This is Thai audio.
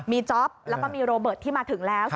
มีจ๊อปแล้วก็มีโรเบิร์ตที่มาถึงแล้ว